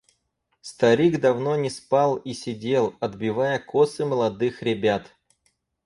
Старик давно не спал и сидел, отбивая косы молодых ребят.